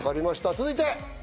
続いて。